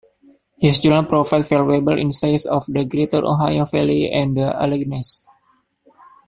His journals provide valuable insights of the greater Ohio Valley and the Alleghenies.